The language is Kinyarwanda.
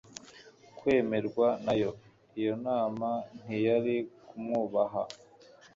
kwemerwa na yo. Iyo nama ntiyari kumwubaha.